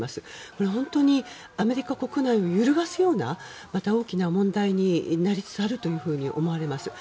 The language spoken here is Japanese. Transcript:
これ、本当にアメリカ国内を揺るがすようなまた大きな問題になりつつあると思われます。